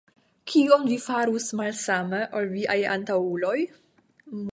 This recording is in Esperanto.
Kion vi farus malsame ol viaj antaŭuloj?